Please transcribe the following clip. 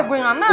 ya gue gak mau